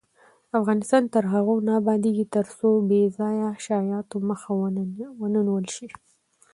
افغانستان تر هغو نه ابادیږي، ترڅو بې ځایه شایعاتو مخه ونیول نشي.